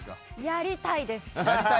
やりたいです！